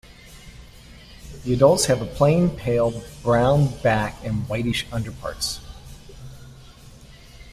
The adults have a plain pale brown back and whitish underparts.